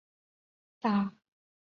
他曾任袁世凯内阁弼德院顾问大臣。